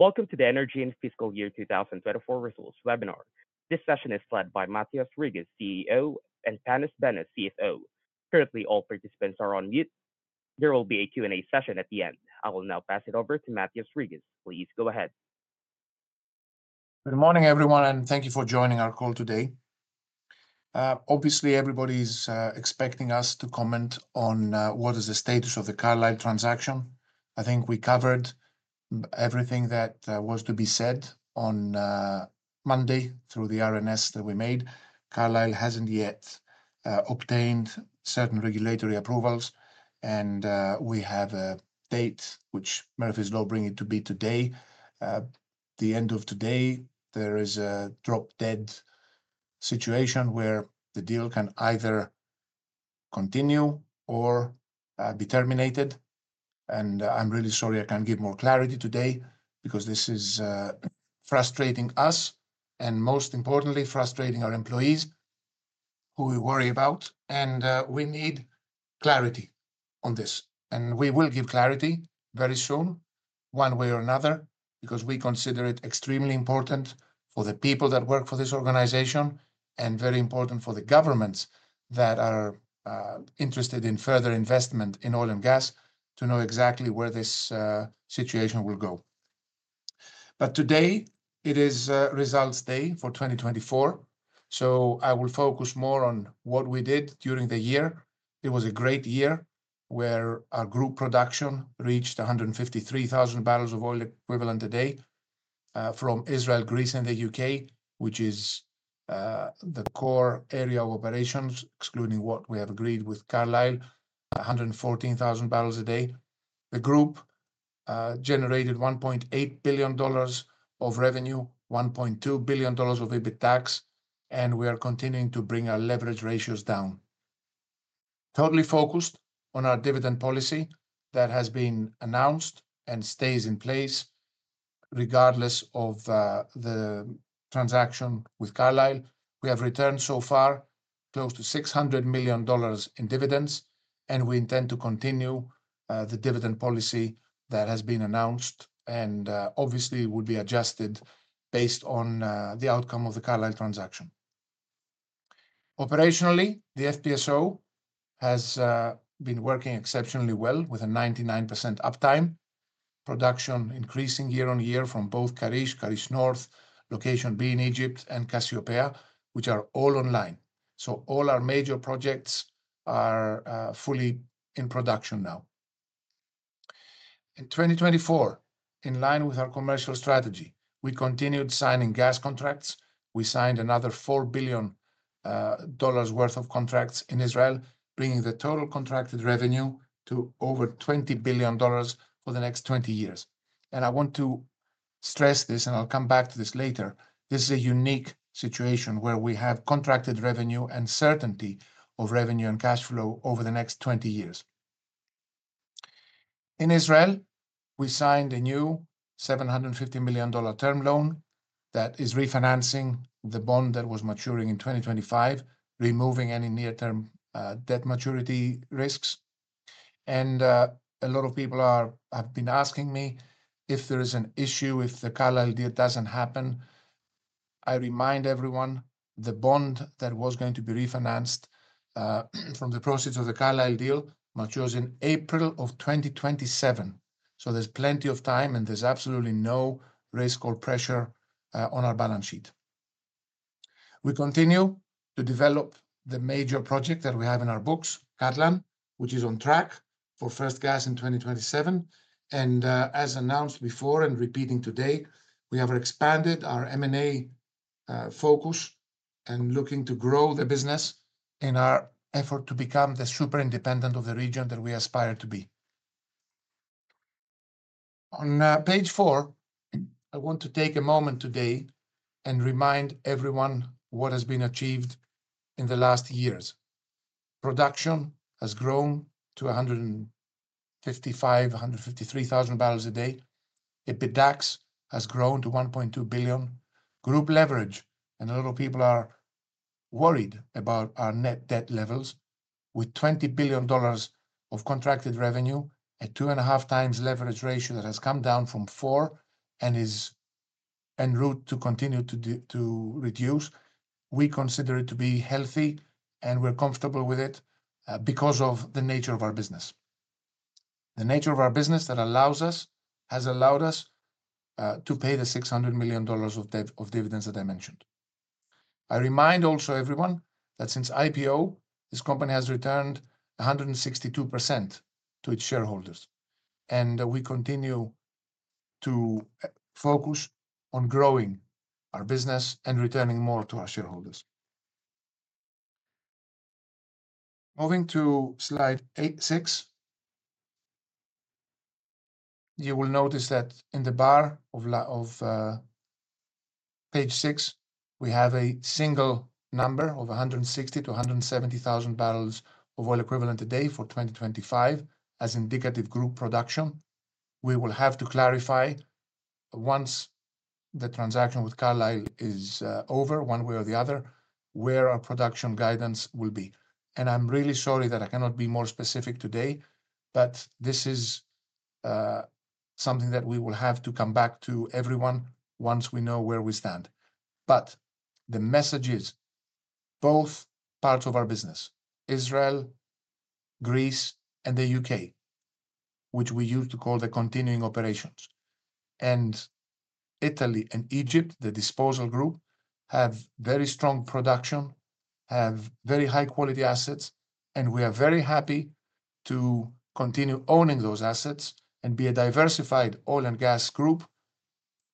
Welcome to the Energean Fiscal Year 2024 Results Webinar. This session is led by Mathios Rigas, CEO, and Panos Benos, CFO. Currently, all participants are on mute. There will be a Q&A session at the end. I will now pass it over to Mathios Rigas. Please go ahead. Good morning, everyone, and thank you for joining our call today. Obviously, everybody is expecting us to comment on what is the status of the Carlyle transaction. I think we covered everything that was to be said on Monday through the R&S that we made. Carlyle hasn't yet obtained certain regulatory approvals, and we have a date, which Murphy's Law brings it to be today. At the end of today, there is a drop-dead situation where the deal can either continue or be terminated. I'm really sorry I can't give more clarity today because this is frustrating us and, most importantly, frustrating our employees, who we worry about. We need clarity on this. We will give clarity very soon, one way or another, because we consider it extremely important for the people that work for this organization and very important for the governments that are interested in further investment in oil and gas to know exactly where this situation will go. Today, it is Results Day for 2024, so I will focus more on what we did during the year. It was a great year where our group production reached 153,000 barrels of oil equivalent a day from Israel, Greece, and the UK, which is the core area of operations, excluding what we have agreed with Carlyle, 114,000 barrels a day. The group generated $1.8 billion of revenue, $1.2 billion of EBITDA tax, and we are continuing to bring our leverage ratios down. Totally focused on our dividend policy that has been announced and stays in place regardless of the transaction with Carlyle. We have returned so far close to $600 million in dividends, and we intend to continue the dividend policy that has been announced and obviously will be adjusted based on the outcome of the Carlyle transaction. Operationally, the FPSO has been working exceptionally well with a 99% uptime, production increasing year-on-year from both Karish, Karish North, location B in Egypt, and Cassiopeia, which are all online. All our major projects are fully in production now. In 2024, in line with our commercial strategy, we continued signing gas contracts. We signed another $4 billion worth of contracts in Israel, bringing the total contracted revenue to over $20 billion for the next 20 years. I want to stress this, and I'll come back to this later. This is a unique situation where we have contracted revenue and certainty of revenue and cash flow over the next 20 years. In Israel, we signed a new $750 million term loan that is refinancing the bond that was maturing in 2025, removing any near-term debt maturity risks. A lot of people have been asking me if there is an issue if the Carlyle deal does not happen. I remind everyone, the bond that was going to be refinanced from the proceeds of the Carlyle deal matures in April of 2027. There is plenty of time, and there is absolutely no pressure on our balance sheet. We continue to develop the major project that we have in our books, Katlan, which is on track for first gas in 2027. As announced before and repeating today, we have expanded our M&A focus and are looking to grow the business in our effort to become the super independent of the region that we aspire to be. On page four, I want to take a moment today and remind everyone what has been achieved in the last years. Production has grown to 155,000-153,000 barrels a day. EBITDA has grown to $1.2 billion. Group leverage, and a lot of people are worried about our net debt levels. With $20 billion of contracted revenue at 2.5 times leverage ratio that has come down from 4 and is en route to continue to reduce, we consider it to be healthy, and we're comfortable with it because of the nature of our business. The nature of our business that allows us has allowed us to pay the $600 million of dividends that I mentioned. I remind also everyone that since IPO, this company has returned 162% to its shareholders. We continue to focus on growing our business and returning more to our shareholders. Moving to slide 86, you will notice that in the bar of page six, we have a single number of 160,000-170,000 barrels of oil equivalent a day for 2025 as indicative group production. We will have to clarify once the transaction with Carlyle is over, one way or the other, where our production guidance will be. I am really sorry that I cannot be more specific today, but this is something that we will have to come back to everyone once we know where we stand. The message is both parts of our business, Israel, Greece, and the UK, which we used to call the continuing operations, and Italy and Egypt, the disposal group, have very strong production, have very high-quality assets, and we are very happy to continue owning those assets and be a diversified oil and gas group.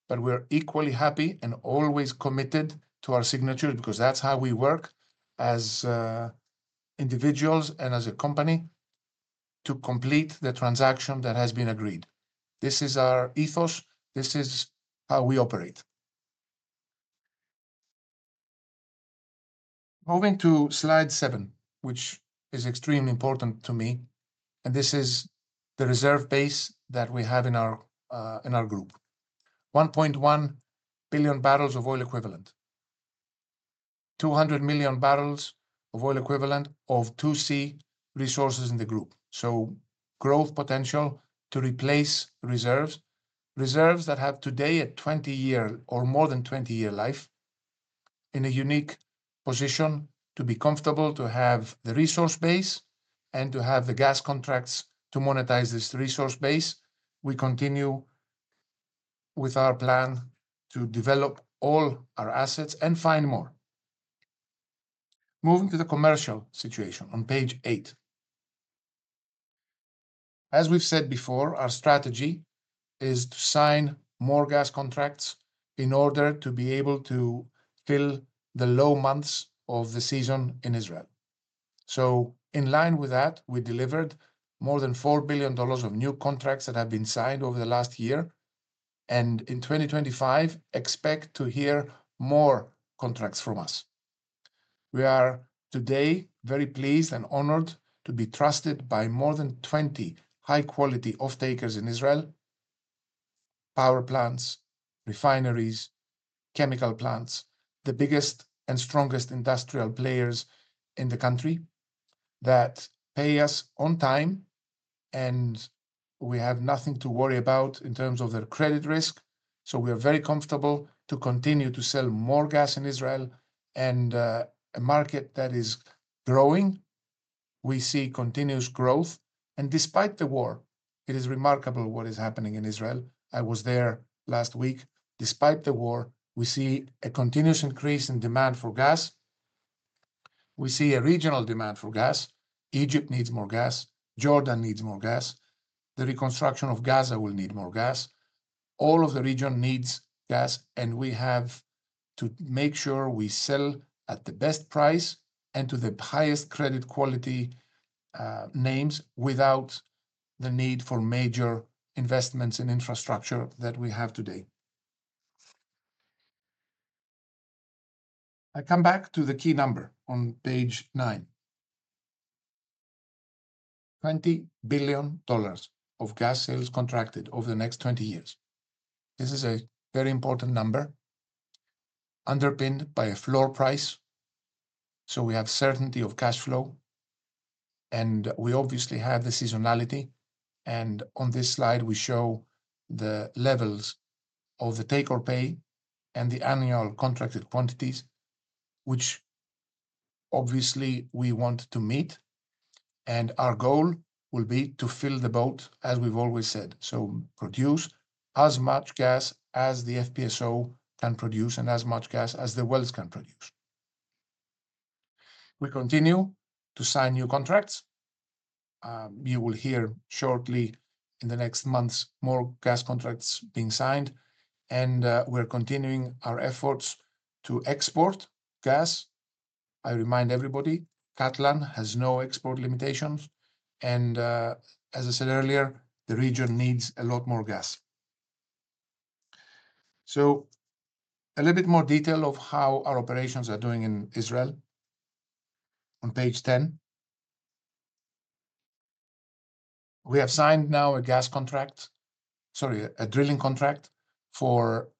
We are equally happy and always committed to our signature because that's how we work as individuals and as a company to complete the transaction that has been agreed. This is our ethos. This is how we operate. Moving to slide seven, which is extremely important to me, and this is the reserve base that we have in our group. 1.1 billion barrels of oil equivalent, 200 million barrels of oil equivalent of 2C resources in the group. Growth potential to replace reserves. Reserves that have today a 20-year or more than 20-year life in a unique position to be comfortable to have the resource base and to have the gas contracts to monetize this resource base. We continue with our plan to develop all our assets and find more. Moving to the commercial situation on page eight. As we've said before, our strategy is to sign more gas contracts in order to be able to fill the low months of the season in Israel. In line with that, we delivered more than $4 billion of new contracts that have been signed over the last year, and in 2025, expect to hear more contracts from us. We are today very pleased and honored to be trusted by more than 20 high-quality off-takers in Israel, power plants, refineries, chemical plants, the biggest and strongest industrial players in the country that pay us on time, and we have nothing to worry about in terms of their credit risk. We are very comfortable to continue to sell more gas in Israel, and a market that is growing, we see continuous growth. Despite the war, it is remarkable what is happening in Israel. I was there last week. Despite the war, we see a continuous increase in demand for gas. We see a regional demand for gas. Egypt needs more gas. Jordan needs more gas. The reconstruction of Gaza will need more gas. All of the region needs gas, and we have to make sure we sell at the best price and to the highest credit quality names without the need for major investments in infrastructure that we have today. I come back to the key number on page nine. $20 billion of gas sales contracted over the next 20 years. This is a very important number underpinned by a floor price, so we have certainty of cash flow, and we obviously have the seasonality. On this slide, we show the levels of the take or pay and the annual contracted quantities, which obviously we want to meet. Our goal will be to fill the boat, as we've always said, so produce as much gas as the FPSO can produce and as much gas as the wells can produce. We continue to sign new contracts. You will hear shortly in the next months more gas contracts being signed, and we're continuing our efforts to export gas. I remind everybody, Katlan has no export limitations, and as I said earlier, the region needs a lot more gas. A little bit more detail of how our operations are doing in Israel. On page 10, we have signed now a drilling contract for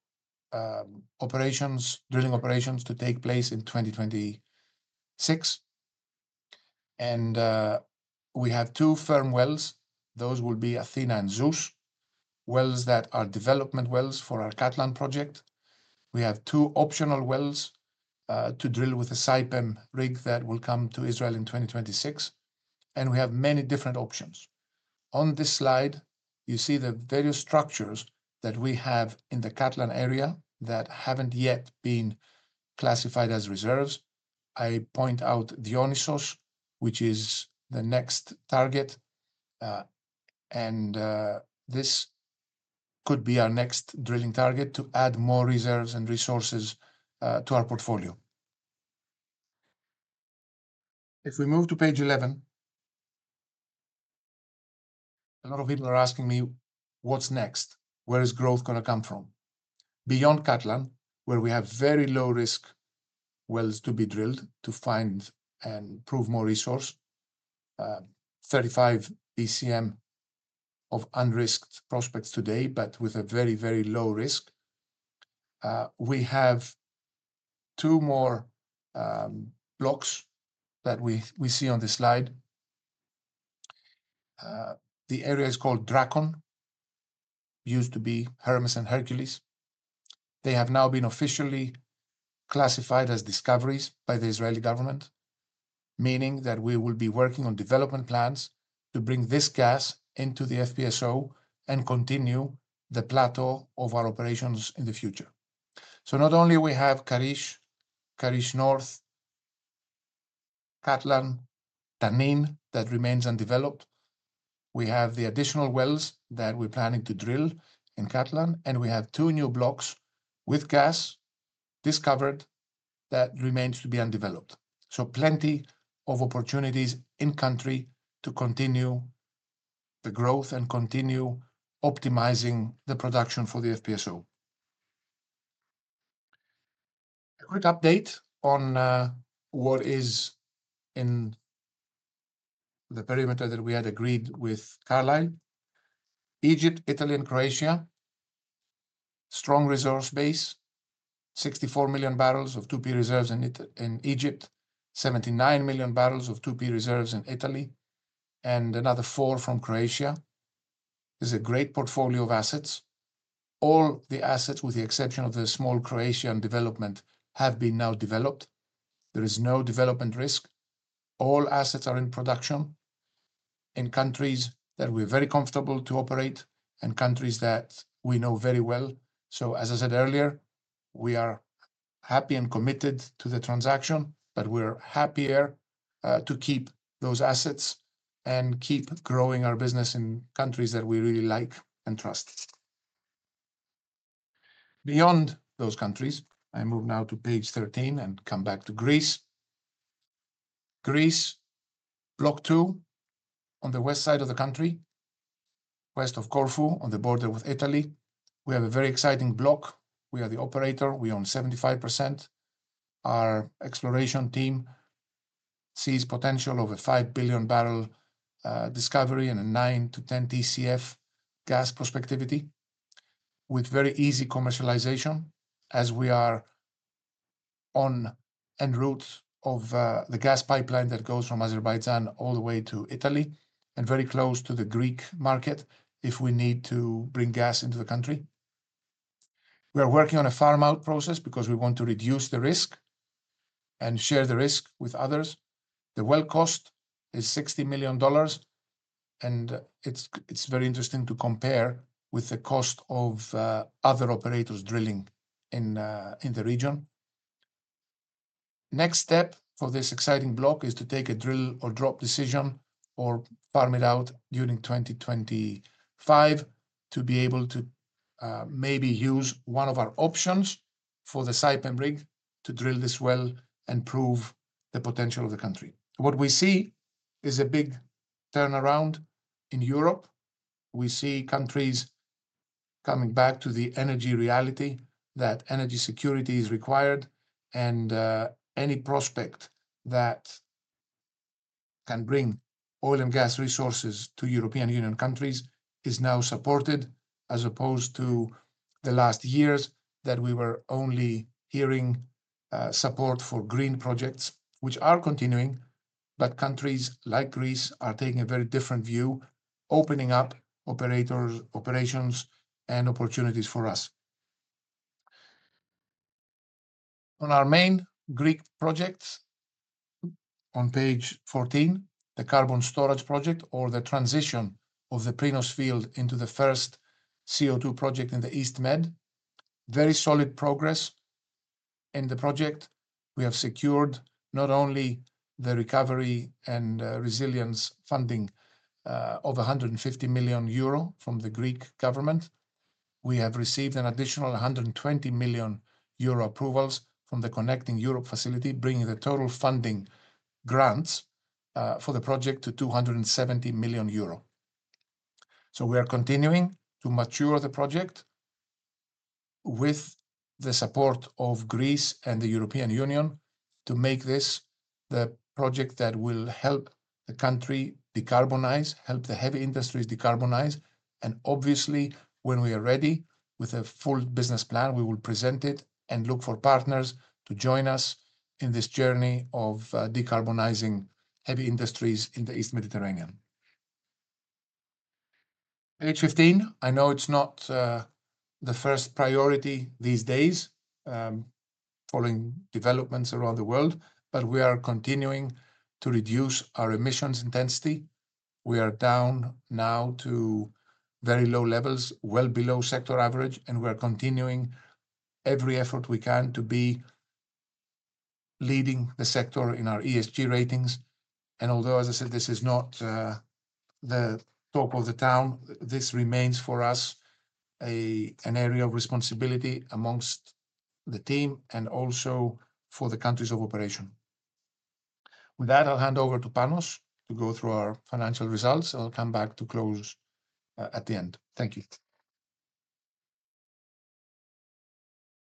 operations, drilling operations to take place in 2026. We have two firm wells. Those will be Athena and Zeus, wells that are development wells for our Katlan project. We have two optional wells to drill with a Saipem rig that will come to Israel in 2026. We have many different options. On this slide, you see the various structures that we have in the Katlan area that have not yet been classified as reserves. I point out Dionysus, which is the next target, and this could be our next drilling target to add more reserves and resources to our portfolio. If we move to page 11, a lot of people are asking me, what's next? Where is growth going to come from? Beyond Katlan, where we have very low-risk wells to be drilled to find and prove more resource, 35 ECM of unrisked prospects today, but with a very, very low risk. We have two more blocks that we see on this slide. The area is called Dragon. Used to be Hermes and Hercules. They have now been officially classified as discoveries by the Israeli government, meaning that we will be working on development plans to bring this gas into the FPSO and continue the plateau of our operations in the future. Not only do we have Karish, Karish North, Katlan, Tanin that remains undeveloped. We have the additional wells that we're planning to drill in Katlan, and we have two new blocks with gas discovered that remains to be undeveloped. Plenty of opportunities in country to continue the growth and continue optimizing the production for the FPSO. A quick update on what is in the perimeter that we had agreed with Carlyle, Egypt, Italy, and Croatia. Strong resource base, 64 million barrels of 2P reserves in Egypt, 79 million barrels of 2P reserves in Italy, and another four from Croatia. It's a great portfolio of assets. All the assets, with the exception of the small Croatian development, have been now developed. There is no development risk. All assets are in production in countries that we are very comfortable to operate and countries that we know very well. As I said earlier, we are happy and committed to the transaction, but we're happier to keep those assets and keep growing our business in countries that we really like and trust. Beyond those countries, I move now to page 13 and come back to Greece. Greece, block two on the west side of the country, west of Corfu, on the border with Italy. We have a very exciting block. We are the operator. We own 75%. Our exploration team sees potential of a 5 billion barrel discovery and a 9-10 TCF gas prospectivity with very easy commercialization as we are on en route of the gas pipeline that goes from Azerbaijan all the way to Italy and very close to the Greek market if we need to bring gas into the country. We are working on a farm out process because we want to reduce the risk and share the risk with others. The well cost is $60 million, and it's very interesting to compare with the cost of other operators drilling in the region. Next step for this exciting block is to take a drill or drop decision or farm it out during 2025 to be able to maybe use one of our options for the Saipem rig to drill this well and prove the potential of the country. What we see is a big turnaround in Europe. We see countries coming back to the energy reality that energy security is required, and any prospect that can bring oil and gas resources to European Union countries is now supported as opposed to the last years that we were only hearing support for green projects, which are continuing, but countries like Greece are taking a very different view, opening up operations and opportunities for us. On our main Greek projects on page 14, the carbon storage project or the transition of the Prinos field into the first CO2 project in the East Mediterranean. Very solid progress in the project. We have secured not only the recovery and resilience funding of 150 million euro from the Greek government. We have received an additional 120 million euro approvals from the Connecting Europe facility, bringing the total funding grants for the project to 270 million euro. We are continuing to mature the project with the support of Greece and the European Union to make this the project that will help the country decarbonize, help the heavy industries decarbonize. Obviously, when we are ready with a full business plan, we will present it and look for partners to join us in this journey of decarbonizing heavy industries in the East Mediterranean. Page 15, I know it's not the first priority these days following developments around the world, but we are continuing to reduce our emissions intensity. We are down now to very low levels, well below sector average, and we are continuing every effort we can to be leading the sector in our ESG ratings. Although, as I said, this is not the top of the town, this remains for us an area of responsibility amongst the team and also for the countries of operation. With that, I'll hand over to Panos to go through our financial results, and I'll come back to close at the end. Thank you.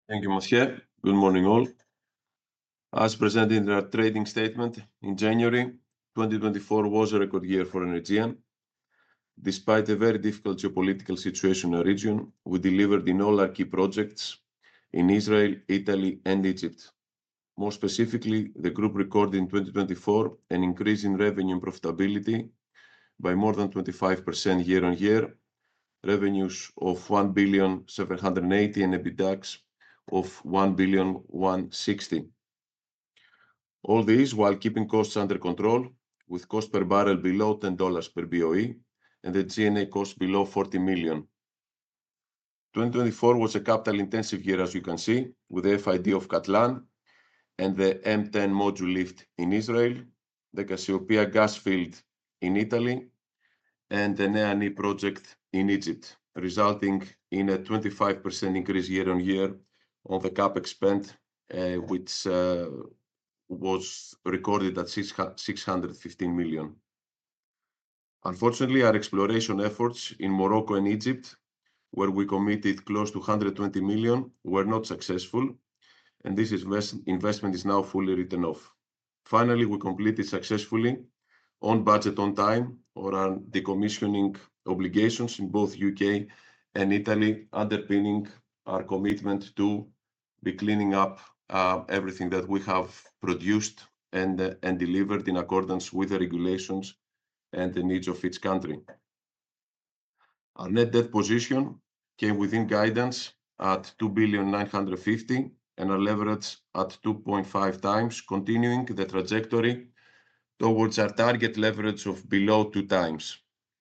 Thank you, Mathios. Good morning, all. As presented in our trading statement in January, 2024 was a record year for Energean. Despite a very difficult geopolitical situation in the region, we delivered in all our key projects in Israel, Italy, and Egypt. More specifically, the group recorded in 2024 an increase in revenue and profitability by more than 25% year-on-year, revenues of $1,780,000,000 and EBITDA of $1,160,000,000. All this while keeping costs under control, with cost per barrel below $10 per BOE and the G&A cost below $40,000,000. 2024 was a capital-intensive year, as you can see, with the FID of Katlan and the M10 module lift in Israel, the Cassiopeia gas field in Italy, and the NEANI project in Egypt, resulting in a 25% increase year-on-year on the CapEx spend, which was recorded at $615 million. Unfortunately, our exploration efforts in Morocco and Egypt, where we committed close to $120 million, were not successful, and this investment is now fully written off. Finally, we completed successfully on budget, on time, on decommissioning obligations in both the UK and Italy, underpinning our commitment to be cleaning up everything that we have produced and delivered in accordance with the regulations and the needs of each country. Our net debt position came within guidance at $2,950,000 and our leverage at 2.5 times, continuing the trajectory towards our target leverage of below 2×.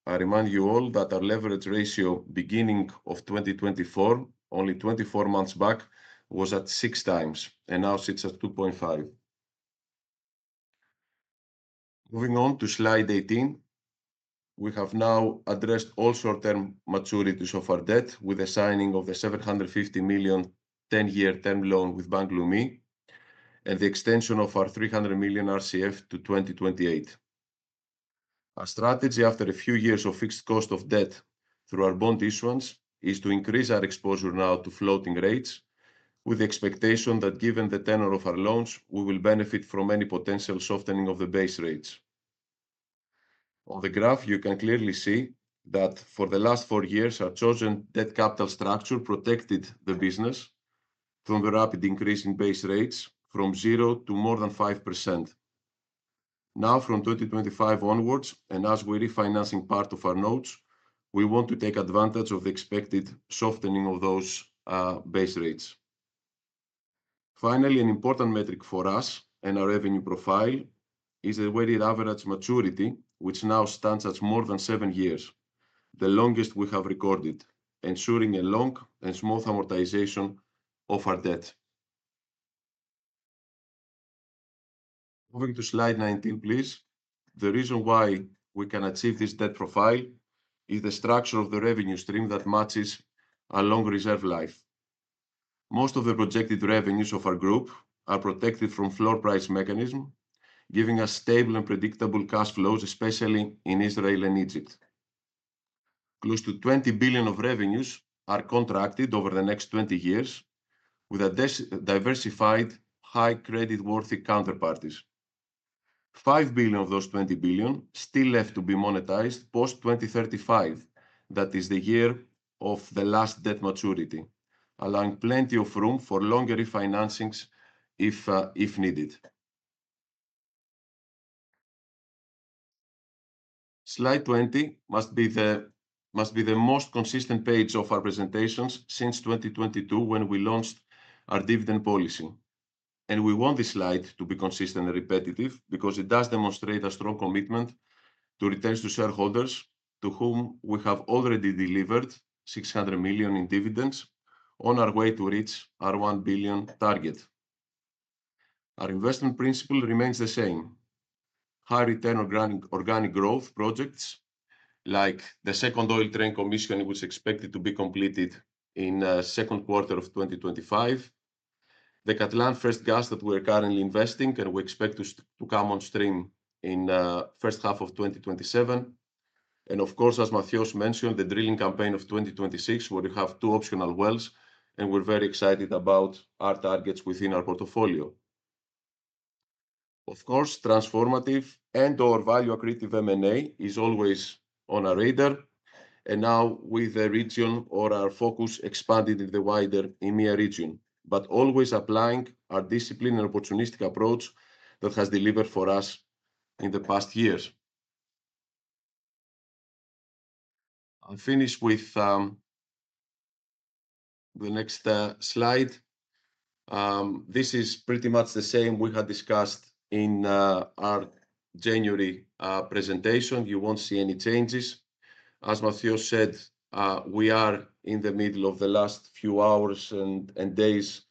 I remind you all that our leverage ratio beginning of 2024, only 24 months back, was at 6×, and now sits at 2.5. Moving on to slide 18, we have now addressed all short-term maturities of our debt with the signing of the $750 million 10-year term loan with Banque Libano and the extension of our $300 million RCF to 2028. Our strategy, after a few years of fixed cost of debt through our bond issuance, is to increase our exposure now to floating rates, with the expectation that given the tenor of our loans, we will benefit from any potential softening of the base rates. On the graph, you can clearly see that for the last four years, our chosen debt capital structure protected the business from the rapid increase in base rates from 0% to more than 5%. Now, from 2025 onwards, and as we are refinancing part of our notes, we want to take advantage of the expected softening of those base rates. Finally, an important metric for us and our revenue profile is the very average maturity, which now stands at more than seven years, the longest we have recorded, ensuring a long and smooth amortization of our debt. Moving to slide 19, please. The reason why we can achieve this debt profile is the structure of the revenue stream that matches a long reserve life. Most of the projected revenues of our group are protected from floor price mechanism, giving us stable and predictable cash flows, especially in Israel and Egypt. Close to $20 billion of revenues are contracted over the next 20 years with diversified high credit-worthy counterparties. $5 billion of those $20 billion still left to be monetized post 2035, that is the year of the last debt maturity, allowing plenty of room for longer refinancings if needed. Slide 20 must be the most consistent page of our presentations since 2022 when we launched our dividend policy. We want this slide to be consistent and repetitive because it does demonstrate a strong commitment to retain shareholders to whom we have already delivered $600 million in dividends on our way to reach our $1 billion target. Our investment principle remains the same, high return on organic growth projects like the second oil train commission, which is expected to be completed in the Q2 of 2025. The Katlan first gas that we are currently investing and we expect to come on stream in the first half of 2027. Of course, as Mathios mentioned, the drilling campaign of 2026, where you have two optional wells, and we're very excited about our targets within our portfolio. Of course, transformative and/or value-accretive M&A is always on our radar, and now with the region or our focus expanded in the wider EMEA region, but always applying our disciplined and opportunistic approach that has delivered for us in the past years. I'll finish with the next slide. This is pretty much the same we had discussed in our January presentation. You won't see any changes. As Mathios said, we are in the middle of the last few hours and days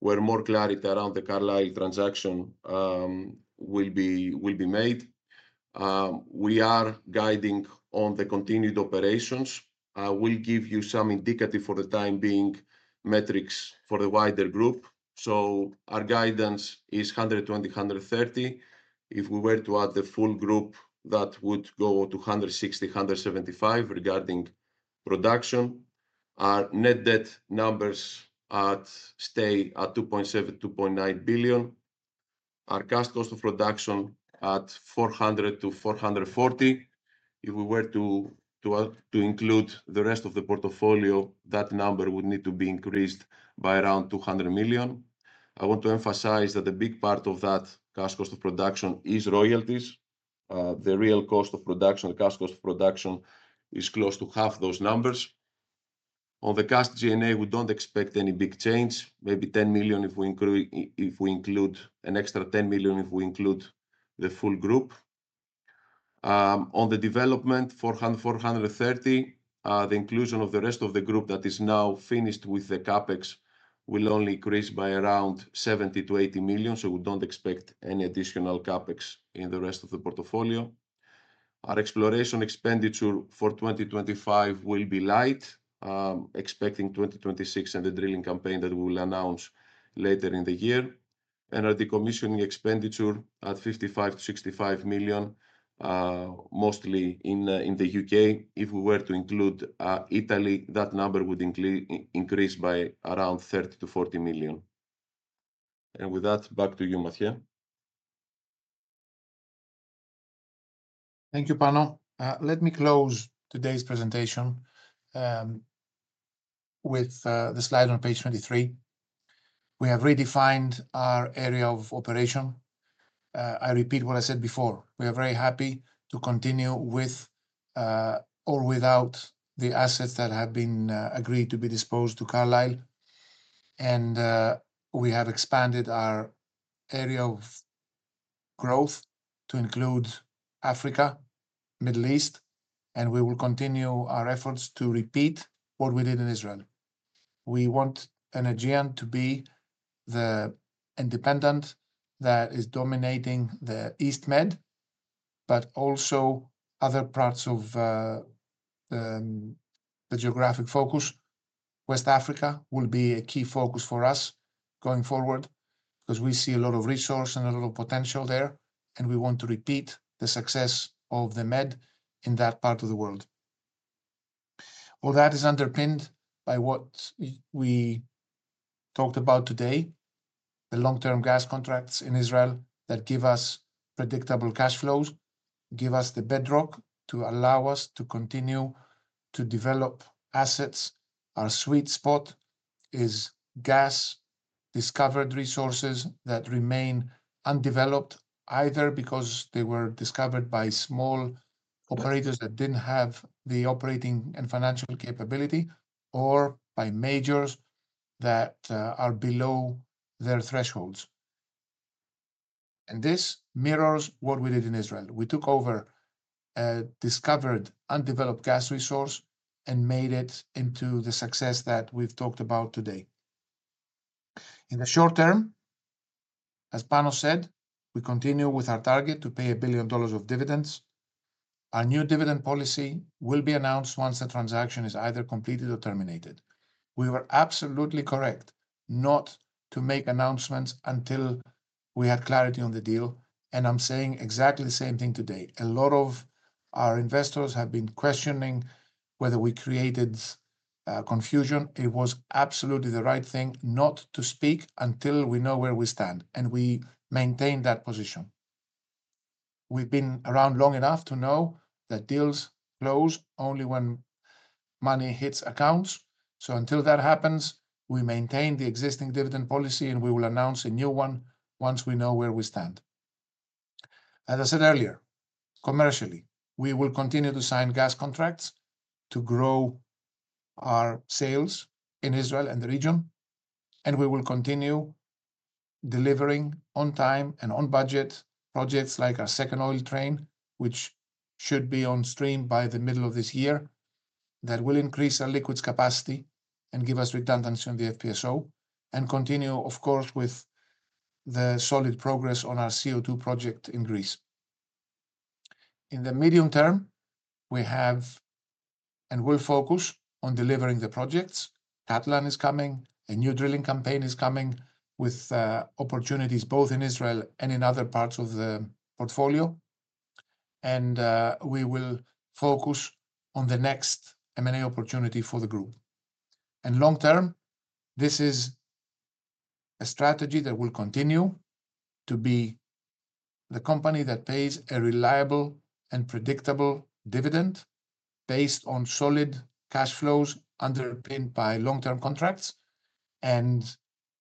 where more clarity around the Carlyle transaction will be made. We are guiding on the continued operations. I will give you some indicative for the time being metrics for the wider group. So our guidance is 120-130. If we were to add the full group, that would go to 160-175 regarding production. Our net debt numbers stay at $2.7-2.9 billion. Our cash cost of production at $400-$440. If we were to include the rest of the portfolio, that number would need to be increased by around $200 million. I want to emphasize that a big part of that cash cost of production is royalties. The real cost of production, the cash cost of production, is close to half those numbers. On the cash G&A, we do not expect any big change, maybe $10 million if we include an extra $10 million if we include the full group. On the development, 430, the inclusion of the rest of the group that is now finished with the CapEx will only increase by around $70 million-$80 million, so we don't expect any additional CapEx in the rest of the portfolio. Our exploration expenditure for 2025 will be light, expecting 2026 and the drilling campaign that we will announce later in the year. Our decommissioning expenditure at $55 million-$65 million, mostly in the UK If we were to include Italy, that number would increase by around $30 million-$40 million. With that, back to you, Mathios. Thank you, Pano. Let me close today's presentation with the slide on page 23. We have redefined our area of operation. I repeat what I said before. We are very happy to continue with or without the assets that have been agreed to be disposed to Carlyle. We have expanded our area of growth to include Africa, Middle East, and we will continue our efforts to repeat what we did in Israel. We want Energean to be the independent that is dominating the East Med, but also other parts of the geographic focus. West Africa will be a key focus for us going forward because we see a lot of resource and a lot of potential there, and we want to repeat the success of the Med in that part of the world. That is underpinned by what we talked about today, the long-term gas contracts in Israel that give us predictable cash flows, give us the bedrock to allow us to continue to develop assets. Our sweet spot is gas, discovered resources that remain undeveloped, either because they were discovered by small operators that did not have the operating and financial capability, or by majors that are below their thresholds. This mirrors what we did in Israel. We took over a discovered, undeveloped gas resource and made it into the success that we have talked about today. In the short term, as Panos said, we continue with our target to pay $1 billion of dividends. Our new dividend policy will be announced once the transaction is either completed or terminated. We were absolutely correct not to make announcements until we had clarity on the deal, and I am saying exactly the same thing today. A lot of our investors have been questioning whether we created confusion. It was absolutely the right thing not to speak until we know where we stand, and we maintain that position. We've been around long enough to know that deals close only when money hits accounts. Until that happens, we maintain the existing dividend policy, and we will announce a new one once we know where we stand. As I said earlier, commercially, we will continue to sign gas contracts to grow our sales in Israel and the region, and we will continue delivering on time and on budget projects like our second oil train, which should be on stream by the middle of this year. That will increase our liquids capacity and give us redundancy on the FPSO, and continue, of course, with the solid progress on our CO2 project in Greece. In the medium term, we have and will focus on delivering the projects. Katlan is coming. A new drilling campaign is coming with opportunities both in Israel and in other parts of the portfolio. We will focus on the next M&A opportunity for the group. Long term, this is a strategy that will continue to be the company that pays a reliable and predictable dividend based on solid cash flows underpinned by long-term contracts and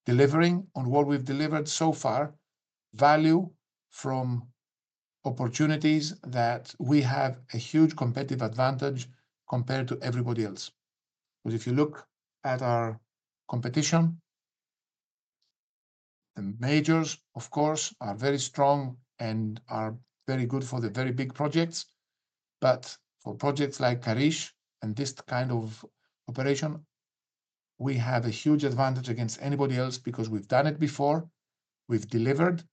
delivering on what we've delivered so far, value from opportunities that we have a huge competitive advantage compared to everybody else. Because if you look at our competition, the majors, of course, are very strong and are very good for the very big projects. For projects like Karish and this kind of operation, we have a huge advantage against anybody else because we've done it before. We've delivered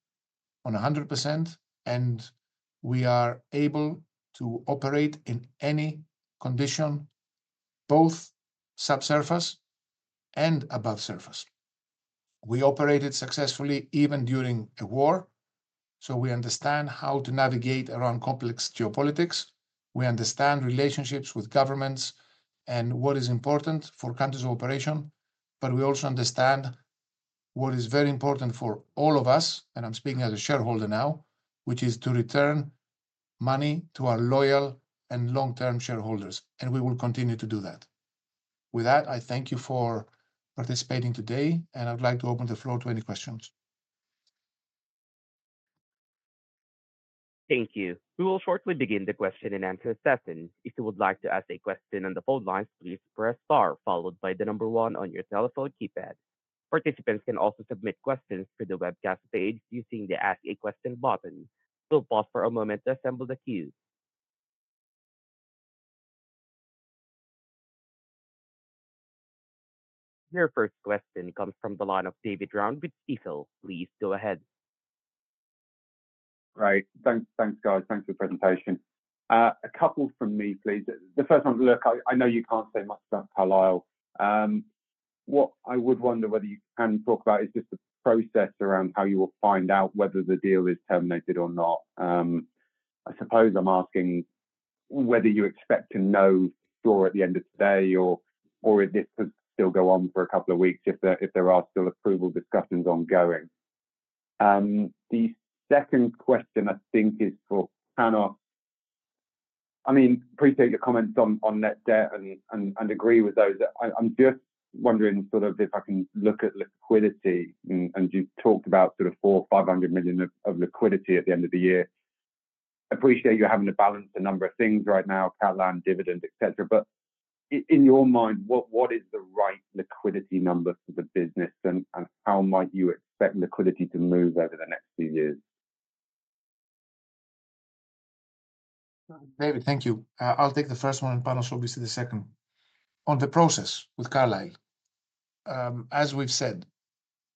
on 100%, and we are able to operate in any condition, both subsurface and above surface. We operated successfully even during the war, so we understand how to navigate around complex geopolitics. We understand relationships with governments and what is important for countries' operation, but we also understand what is very important for all of us, and I'm speaking as a shareholder now, which is to return money to our loyal and long-term shareholders, and we will continue to do that. With that, I thank you for participating today, and I'd like to open the floor to any questions. Thank you. We will shortly begin the question and answer session. If you would like to ask a question on the phone line, please press star, followed by the number one on your telephone keypad. Participants can also submit questions to the webcast page using the Ask a Question button. We'll pause for a moment to assemble the queue. Your first question comes from the line of David Round with Stifel. Please go ahead. Right. Thanks, guys. Thanks for your presentation. A couple from me, please. The first one, look, I know you can't say much about Carlyle. What I would wonder whether you can talk about is just the process around how you will find out whether the deal is terminated or not. I suppose I'm asking whether you expect to know more at the end of the day, or if this could still go on for a couple of weeks if there are still approval discussions ongoing. The second question, I think, is for Panos. I mean, appreciate your comments on net debt and agree with those. I'm just wondering sort of if I can look at liquidity, and you talked about sort of $400 million-$500 million of liquidity at the end of the year. Appreciate you having to balance a number of things right now, Katlan, dividend, etc. In your mind, what is the right liquidity number for the business, and how might you expect liquidity to move over the next few years? David, thank you. I'll take the first one, and Panos will be the second. On the process with Carlyle, as we've said,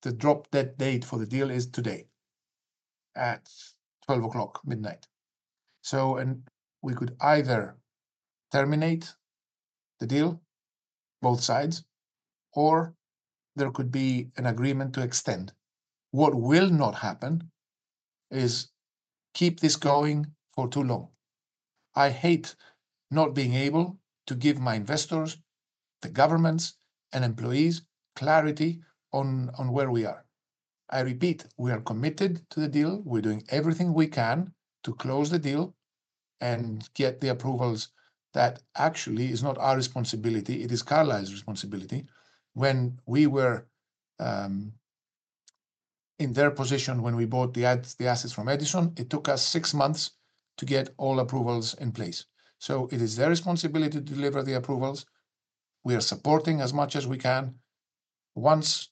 the drop-dead date for the deal is today at 12:00 midnight. We could either terminate the deal, both sides, or there could be an agreement to extend. What will not happen is keep this going for too long. I hate not being able to give my investors, the governments, and employees clarity on where we are. I repeat, we are committed to the deal. We're doing everything we can to close the deal and get the approvals that actually is not our responsibility. It is Carlyle's responsibility. When we were in their position, when we bought the assets from Edison, it took us six months to get all approvals in place. It is their responsibility to deliver the approvals. We are supporting as much as we can. Once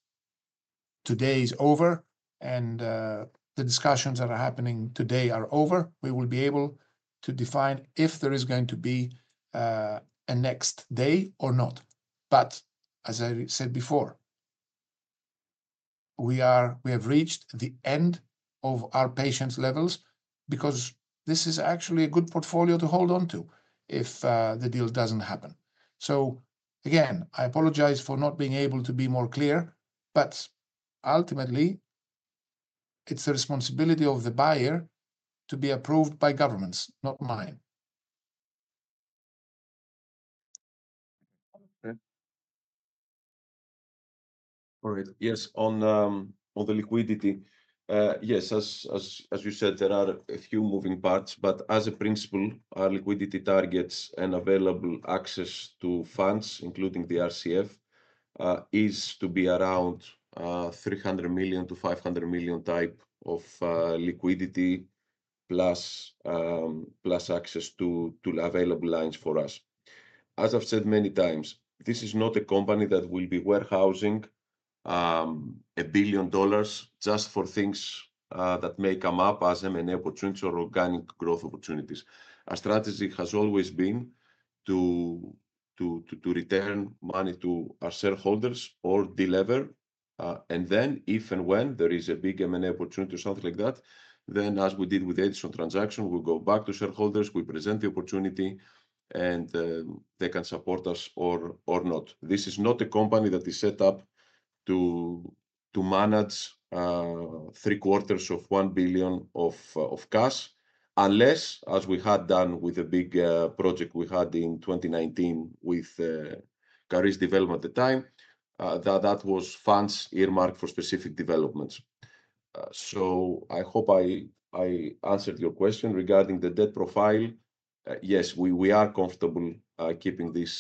today is over and the discussions that are happening today are over, we will be able to define if there is going to be a next day or not. As I said before, we have reached the end of our patience levels because this is actually a good portfolio to hold on to if the deal does not happen. Again, I apologize for not being able to be more clear, but ultimately, it is the responsibility of the buyer to be approved by governments, not mine. All right. Yes, on the liquidity, yes, as you said, there are a few moving parts, but as a principle, our liquidity targets and available access to funds, including the RCF, is to be around $300-$500 million type of liquidity plus access to available lines for us. As I've said many times, this is not a company that will be warehousing $1 billion just for things that may come up as M&A opportunities or organic growth opportunities. Our strategy has always been to return money to our shareholders or deliver. If and when there is a big M&A opportunity or something like that, as we deal with the Edison transaction, we will go back to shareholders, we present the opportunity, and they can support us or not. This is not a company that is set up to manage three quarters of one billion of cash, unless, as we had done with a big project we had in 2019 with Karish Development at the time, that was funds earmarked for specific developments. I hope I answered your question regarding the debt profile. Yes, we are comfortable keeping this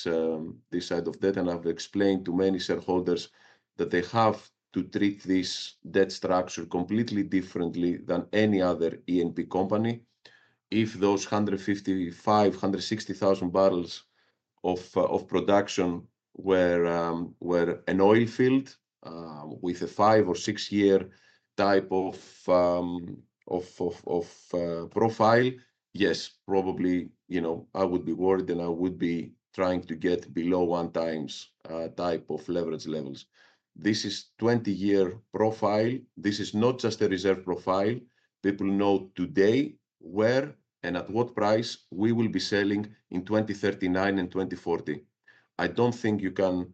side of debt, and I've explained to many shareholders that they have to treat this debt structure completely differently than any other E&P company. If those 150,000 to 160,000 barrels of production were an oil field with a five or six-year type of profile, yes, probably I would be worried and I would be trying to get below one times type of leverage levels. This is a 20-year profile. This is not just a reserve profile. People know today where and at what price we will be selling in 2039 and 2040. I do not think you can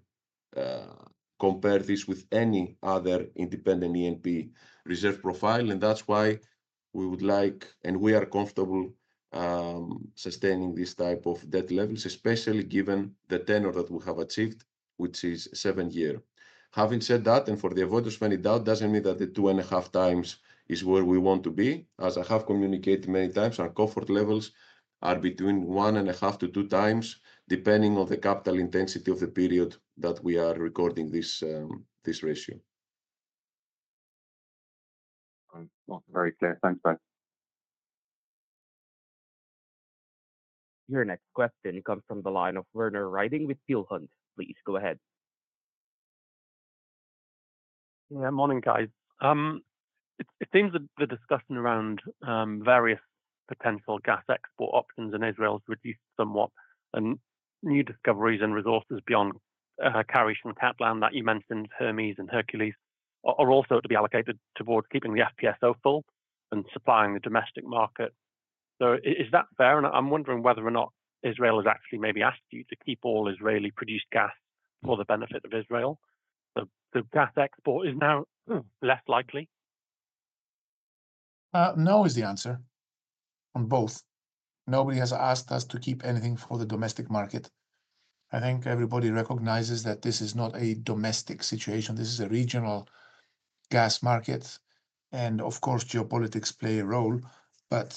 compare this with any other independent E&P reserve profile, and that is why we would like, and we are comfortable sustaining this type of debt levels, especially given the tenor that we have achieved, which is seven years. Having said that, and for the avoidance of many doubts, it does not mean that the two and a half times is where we want to be. As I have communicated many times, our comfort levels are between one and a half to two times, depending on the capital intensity of the period that we are recording this ratio. Very clear. Thanks, guys. Your next question comes from the line of Werner Riding with Peel Hunt. Please go ahead. Yeah, morning, guys. It seems that the discussion around various potential gas export options in Israel has reduced somewhat, and new discoveries and resources beyond Karish and Katlan that you mentioned, Hermes and Hercules, are also to be allocated towards keeping the FPSO full and supplying the domestic market. Is that fair? I'm wondering whether or not Israel has actually maybe asked you to keep all Israeli produced gas for the benefit of Israel. The gas export is now less likely? No is the answer on both. Nobody has asked us to keep anything for the domestic market. I think everybody recognizes that this is not a domestic situation. This is a regional gas market. Of course, geopolitics play a role, but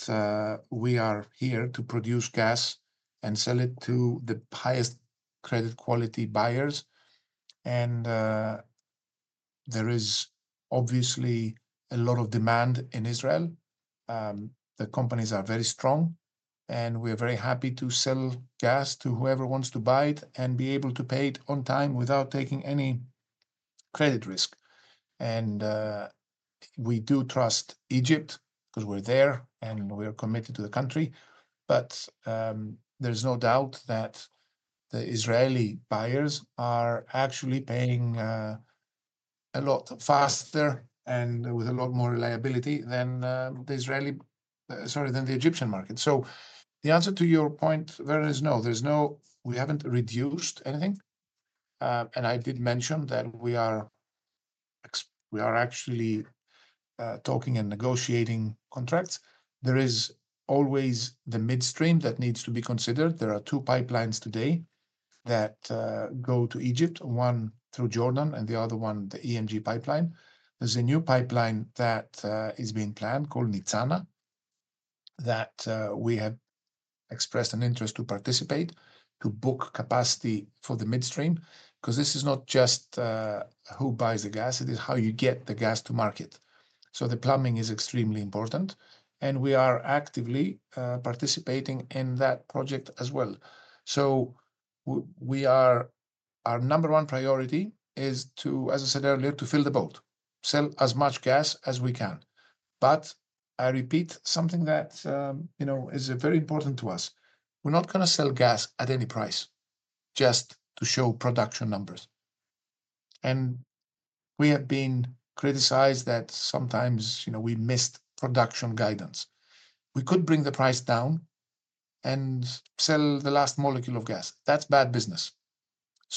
we are here to produce gas and sell it to the highest credit quality buyers. There is obviously a lot of demand in Israel. The companies are very strong, and we are very happy to sell gas to whoever wants to buy it and be able to pay it on time without taking any credit risk. We do trust Egypt because we're there and we're committed to the country. There is no doubt that the Israeli buyers are actually paying a lot faster and with a lot more reliability than the Egyptian market. The answer to your point there is no. We have not reduced anything. I did mention that we are actually talking and negotiating contracts. There is always the midstream that needs to be considered. There are two pipelines today that go to Egypt, one through Jordan and the other one, the ENG pipeline. There is a new pipeline that is being planned called Nitzana that we have expressed an interest to participate to book capacity for the midstream because this is not just who buys the gas. It is how you get the gas to market. The plumbing is extremely important. We are actively participating in that project as well. Our number one priority is to, as I said earlier, fill the boat, sell as much gas as we can. I repeat something that is very important to us. We are not going to sell gas at any price just to show production numbers. We have been criticized that sometimes we missed production guidance. We could bring the price down and sell the last molecule of gas. That is bad business.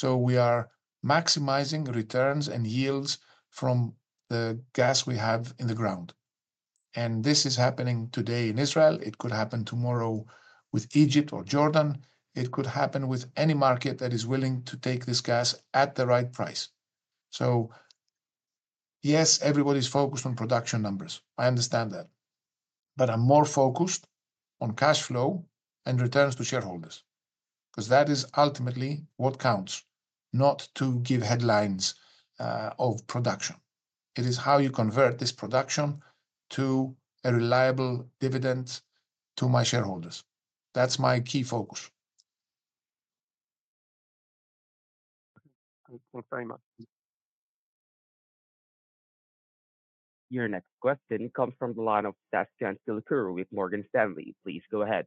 We are maximizing returns and yields from the gas we have in the ground. This is happening today in Israel. It could happen tomorrow with Egypt or Jordan. It could happen with any market that is willing to take this gas at the right price. Yes, everybody's focused on production numbers. I understand that. I am more focused on cash flow and returns to shareholders because that is ultimately what counts, not to give headlines of production. It is how you convert this production to a reliable dividend to my shareholders. That's my key focus. Thanks very much. Your next question comes from the line of Dash Chan Silver with Morgan Stanley. Please go ahead.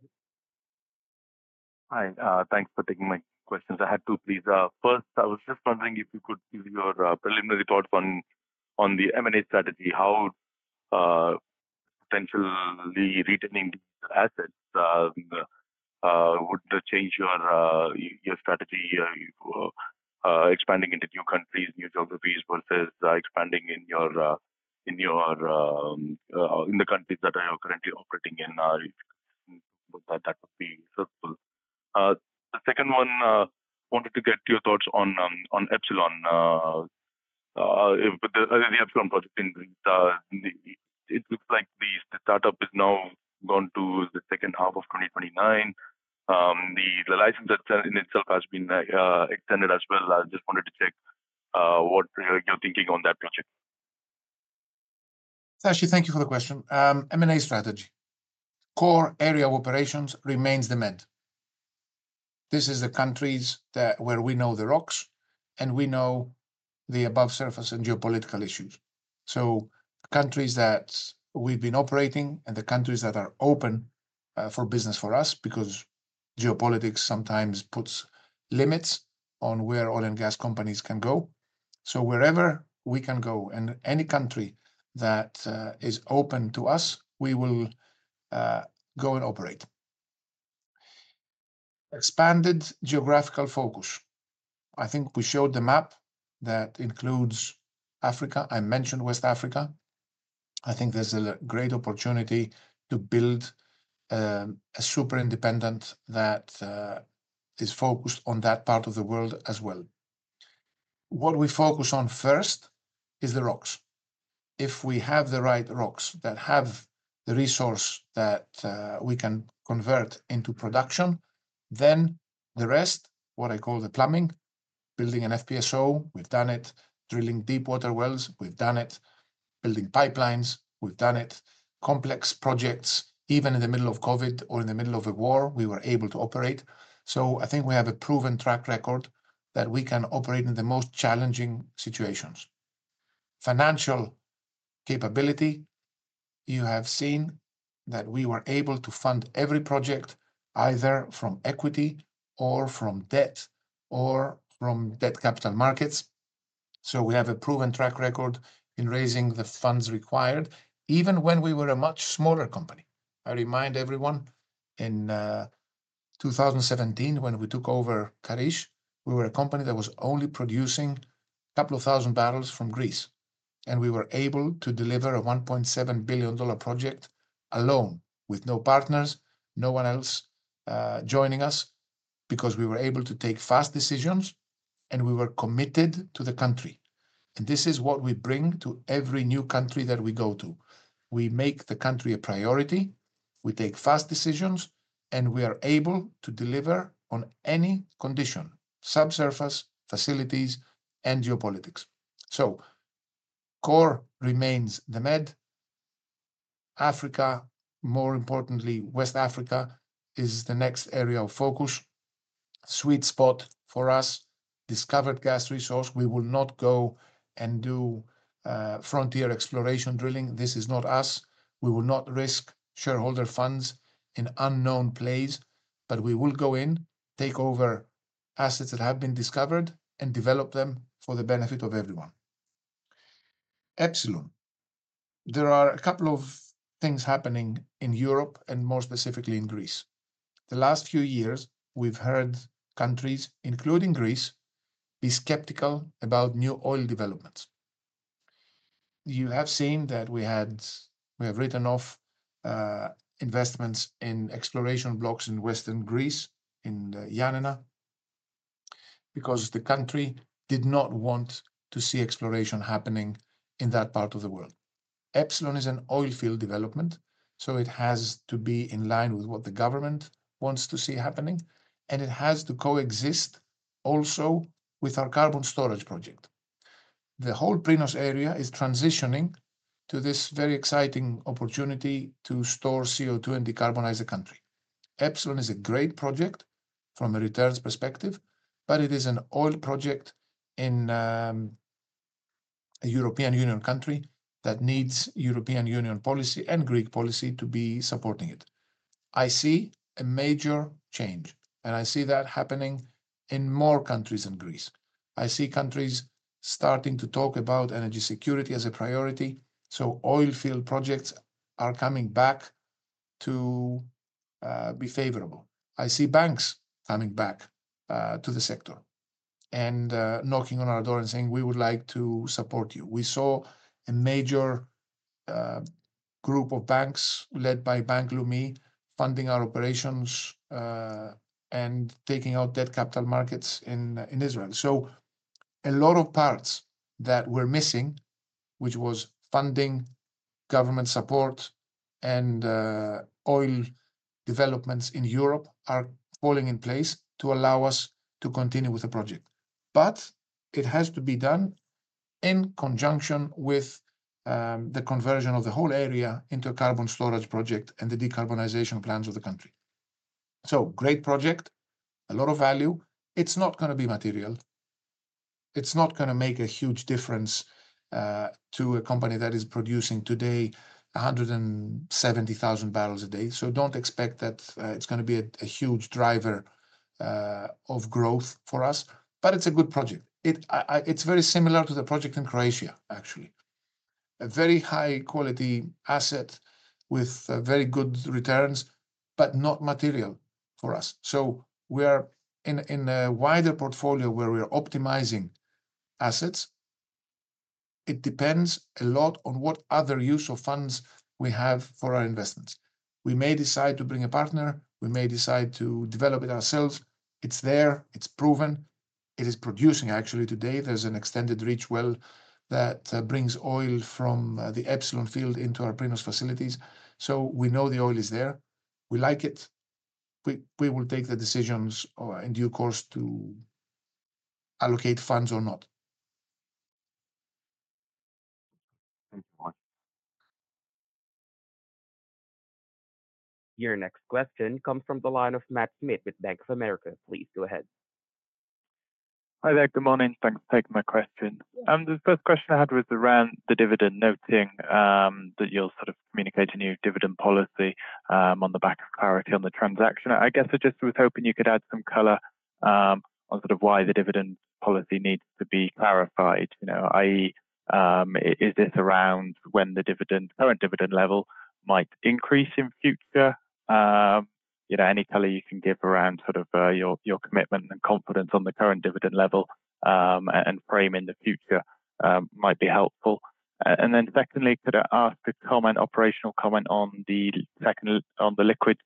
Hi, thanks for taking my questions. I had two, please. First, I was just wondering if you could give your preliminary thoughts on the M&A strategy. How potentially retaining assets would change your strategy expanding into new countries, new geographies versus expanding in the countries that I am currently operating in? That would be helpful. The second one, I wanted to get your thoughts on Epsilon. The Epsilon project, it looks like the startup is now going to the second half of 2029. The license itself has been extended as well. I just wanted to check what you're thinking on that project. Sashi, thank you for the question. M&A strategy. Core area of operations remains the med. This is the countries where we know the rocks and we know the above surface and geopolitical issues. So countries that we've been operating and the countries that are open for business for us because geopolitics sometimes puts limits on where oil and gas companies can go. Wherever we can go and any country that is open to us, we will go and operate. Expanded geographical focus. I think we showed the map that includes Africa. I mentioned West Africa. I think there's a great opportunity to build a super independent that is focused on that part of the world as well. What we focus on first is the rocks. If we have the right rocks that have the resource that we can convert into production, then the rest, what I call the plumbing, building an FPSO, we've done it. Drilling deep water wells, we've done it. Building pipelines, we've done it. Complex projects, even in the middle of COVID or in the middle of a war, we were able to operate. I think we have a proven track record that we can operate in the most challenging situations. Financial capability, you have seen that we were able to fund every project either from equity or from debt or from debt capital markets. We have a proven track record in raising the funds required, even when we were a much smaller company. I remind everyone in 2017 when we took over Karish, we were a company that was only producing a couple of thousand barrels from Greece. We were able to deliver a $1.7 billion project alone with no partners, no one else joining us because we were able to take fast decisions and we were committed to the country. This is what we bring to every new country that we go to. We make the country a priority. We take fast decisions and we are able to deliver on any condition, subsurface, facilities, and geopolitics. Core remains the med. Africa, more importantly, West Africa is the next area of focus, sweet spot for us, discovered gas resource. We will not go and do frontier exploration drilling. This is not us. We will not risk shareholder funds in unknown plays, but we will go in, take over assets that have been discovered and develop them for the benefit of everyone. Epsilon. There are a couple of things happening in Europe and more specifically in Greece. The last few years, we've heard countries, including Greece, be skeptical about new oil developments. You have seen that we have written off investments in exploration blocks in Western Greece, in Yanina, because the country did not want to see exploration happening in that part of the world. Epsilon is an oil field development, so it has to be in line with what the government wants to see happening, and it has to coexist also with our carbon storage project. The whole Prinos area is transitioning to this very exciting opportunity to store CO2 and decarbonize a country. Epsilon is a great project from a returns perspective, but it is an oil project in a European Union country that needs European Union policy and Greek policy to be supporting it. I see a major change, and I see that happening in more countries than Greece. I see countries starting to talk about energy security as a priority, so oil field projects are coming back to be favorable. I see banks coming back to the sector and knocking on our door and saying, "We would like to support you." We saw a major group of banks led by Bank Leumi funding our operations and taking out debt capital markets in Israel. A lot of parts that were missing, which was funding, government support, and oil developments in Europe are falling in place to allow us to continue with the project. It has to be done in conjunction with the conversion of the whole area into a carbon storage project and the decarbonization plans of the country. Great project, a lot of value. It's not going to be material. It's not going to make a huge difference to a company that is producing today 170,000 barrels a day. Don't expect that it's going to be a huge driver of growth for us, but it's a good project. It's very similar to the project in Croatia, actually. A very high-quality asset with very good returns, but not material for us. We are in a wider portfolio where we are optimizing assets. It depends a lot on what other use of funds we have for our investments. We may decide to bring a partner. We may decide to develop it ourselves. It's there. It's proven. It is producing, actually. Today, there's an extended reach well that brings oil from the Epsilon field into our Prinos facilities. We know the oil is there. We like it. We will take the decisions in due course to allocate funds or not. Your next question comes from the line of Matt Smith with BofA Securities. Please go ahead. Hi there. Good morning. Thanks for taking my question. The first question I had was around the dividend, noting that you'll sort of communicate a new dividend policy on the back of clarity on the transaction. I guess I just was hoping you could add some color on sort of why the dividend policy needs to be clarified, i.e., is it around when the current dividend level might increase in future? Any color you can give around sort of your commitment and confidence on the current dividend level and frame in the future might be helpful. Secondly, could I ask a comment, operational comment on the liquid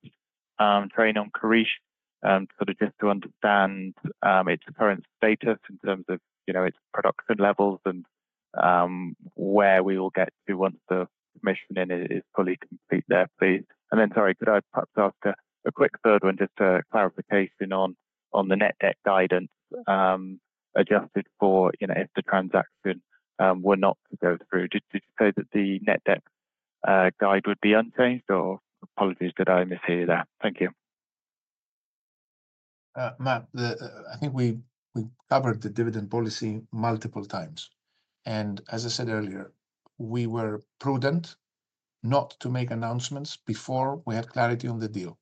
train on Katlan, just to understand its current status in terms of its production levels and where we will get to once the mission is fully complete there, please? Sorry, could I pass off a quick third one just to clarification on the net debt guidance adjusted for if the transaction were not to go through? Did you say that the net debt guide would be unchanged or apologies that I misheard that? Thank you. Matt, I think we covered the dividend policy multiple times. As I said earlier, we were prudent not to make announcements before we had clarity on the deal.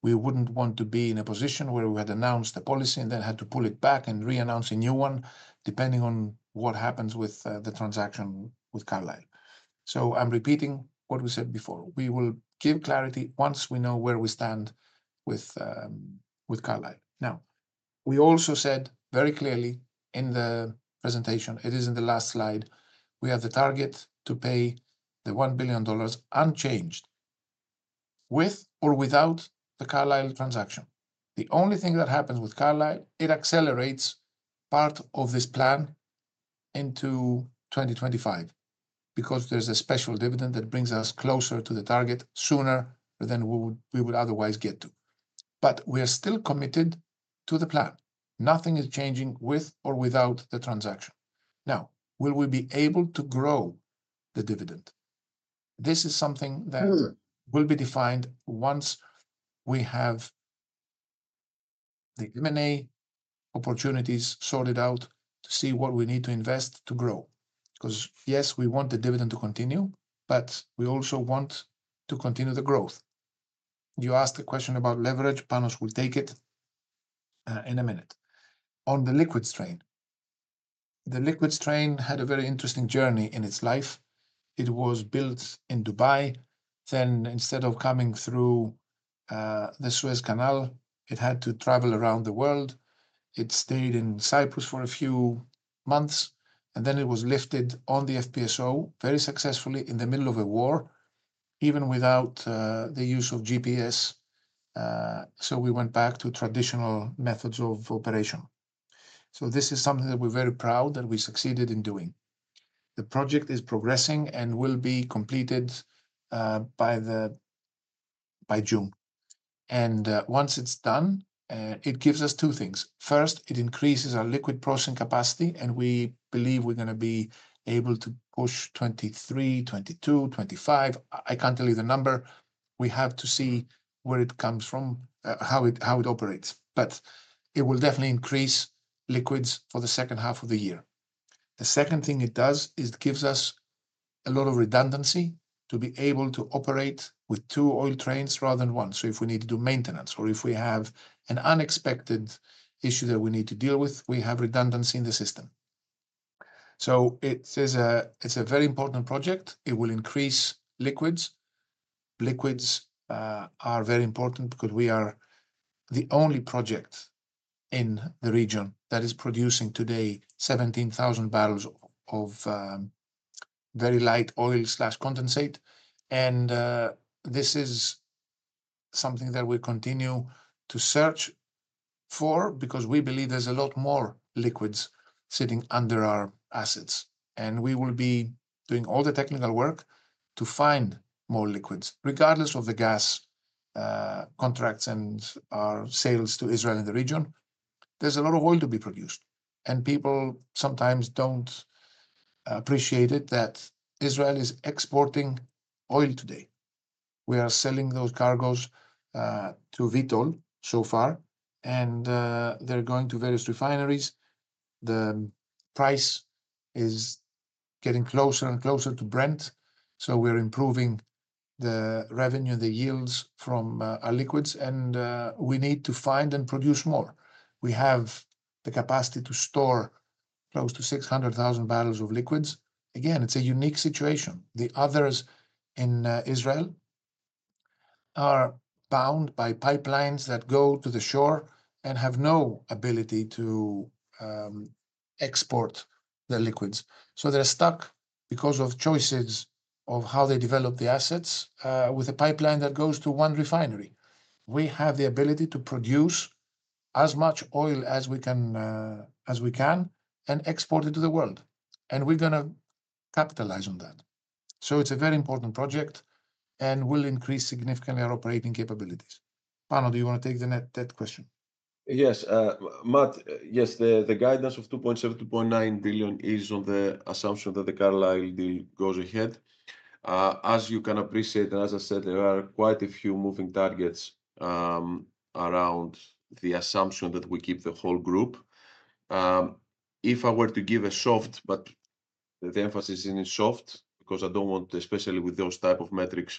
We would not want to be in a position where we had announced the policy and then had to pull it back and reannounce a new one depending on what happens with the transaction with Carlyle. I am repeating what we said before. We will give clarity once we know where we stand with Carlyle. Now, we also said very clearly in the presentation, it is in the last slide, we have the target to pay the $1 billion unchanged with or without the Carlyle transaction. The only thing that happens with Carlyle, it accelerates part of this plan into 2025 because there is a special dividend that brings us closer to the target sooner than we would otherwise get to. We are still committed to the plan. Nothing is changing with or without the transaction. Will we be able to grow the dividend? This is something that will be defined once we have the M&A opportunities sorted out to see what we need to invest to grow. Because yes, we want the dividend to continue, but we also want to continue the growth. You asked a question about leverage. Panos will take it in a minute. On the liquid train, the liquid train had a very interesting journey in its life. It was built in Dubai. Then instead of coming through the Suez Canal, it had to travel around the world. It stayed in Cyprus for a few months, and then it was lifted on the FPSO very successfully in the middle of a war, even without the use of GPS. We went back to traditional methods of operation. This is something that we're very proud that we succeeded in doing. The project is progressing and will be completed by June. Once it's done, it gives us two things. First, it increases our liquid processing capacity, and we believe we're going to be able to push 23, 22, 25. I can't tell you the number. We have to see where it comes from, how it operates. It will definitely increase liquids for the second half of the year. The second thing it does is it gives us a lot of redundancy to be able to operate with two oil trains rather than one. If we need to do maintenance or if we have an unexpected issue that we need to deal with, we have redundancy in the system. It is a very important project. It will increase liquids. Liquids are very important because we are the only project in the region that is producing today 17,000 barrels of very light oil/condensate. This is something that we continue to search for because we believe there is a lot more liquids sitting under our assets. We will be doing all the technical work to find more liquids. Regardless of the gas contracts and our sales to Israel in the region, there's a lot of oil to be produced. People sometimes do not appreciate it that Israel is exporting oil today. We are selling those cargoes to Vitol so far, and they are going to various refineries. The price is getting closer and closer to Brent. We are improving the revenue and the yields from our liquids, and we need to find and produce more. We have the capacity to store close to 600,000 barrels of liquids. Again, it is a unique situation. The others in Israel are bound by pipelines that go to the shore and have no ability to export the liquids. They are stuck because of choices of how they develop the assets with a pipeline that goes to one refinery. We have the ability to produce as much oil as we can and export it to the world. We are going to capitalize on that. It is a very important project and will increase significantly our operating capabilities. Panos, do you want to take the net debt question? Yes. Matt, yes, the guidance of $2.7-$2.9 billion is on the assumption that the Carlyle deal goes ahead. As you can appreciate, and as I said, there are quite a few moving targets around the assumption that we keep the whole group. If I were to give a soft, but the emphasis is soft, because I do not want, especially with those types of metrics,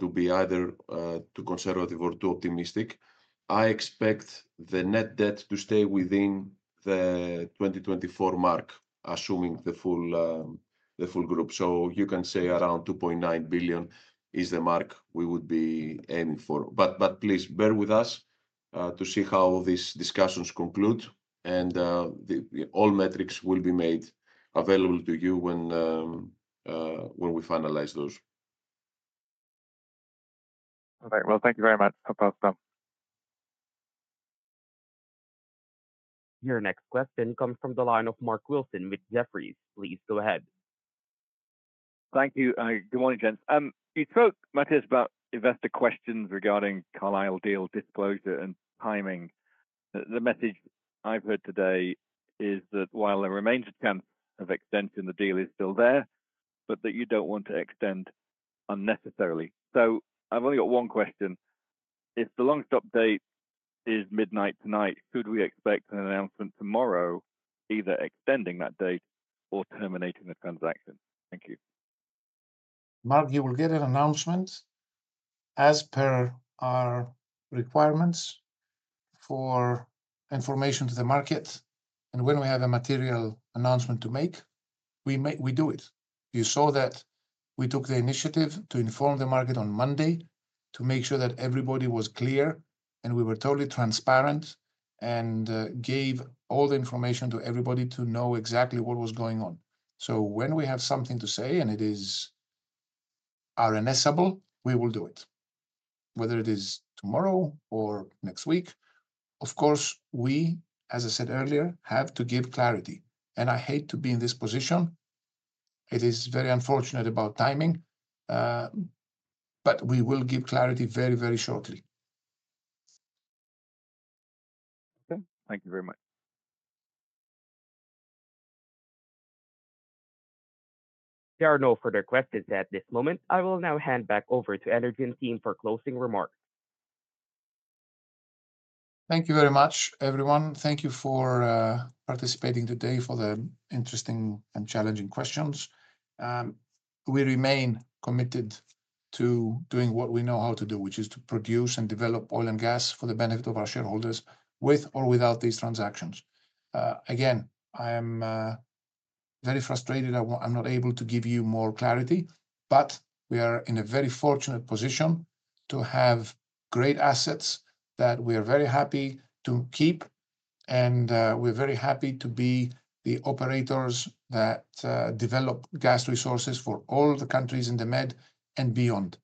to be either too conservative or too optimistic, I expect the net debt to stay within the 2024 mark, assuming the full group. You can say around $2.9 billion is the mark we would be aiming for. Please bear with us to see how these discussions conclude. All metrics will be made available to you when we finalize those. All right. Thank you very much. I'll pass them. Your next question comes from the line of Mark Wilson with Jefferies. Please go ahead. Thank you. Good morning, Jens. You spoke about investor questions regarding Carlyle deal disclosure and timing. The message I've heard today is that while there remains a chance of extension, the deal is still there, but that you don't want to extend unnecessarily. I have only got one question. If the long stop date is midnight tonight, could we expect an announcement tomorrow, either extending that date or terminating the transaction? Thank you. Mark, you will get an announcement as per our requirements for information to the market. When we have a material announcement to make, we do it. You saw that we took the initiative to inform the market on Monday to make sure that everybody was clear and we were totally transparent and gave all the information to everybody to know exactly what was going on. When we have something to say and it is our inessable, we will do it. Whether it is tomorrow or next week, of course, we, as I said earlier, have to give clarity. I hate to be in this position. It is very unfortunate about timing, but we will give clarity very, very shortly. Okay. Thank you very much. There are no further questions at this moment. I will now hand back over to Energean Team for closing remarks. Thank you very much, everyone. Thank you for participating today for the interesting and challenging questions. We remain committed to doing what we know how to do, which is to produce and develop oil and gas for the benefit of our shareholders with or without these transactions. Again, I am very frustrated. I'm not able to give you more clarity, but we are in a very fortunate position to have great assets that we are very happy to keep. We are very happy to be the operators that develop gas resources for all the countries in the Med and beyond.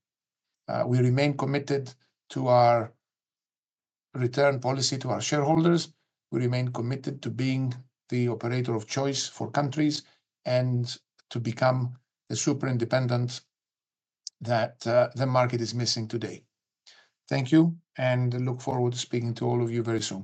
We remain committed to our return policy to our shareholders. We remain committed to being the operator of choice for countries and to become a super independent that the market is missing today. Thank you and look forward to speaking to all of you very soon.